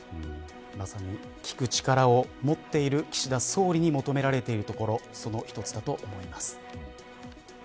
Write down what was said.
まさに聞く力を持っている岸田総理に求められているところその一つだと思います。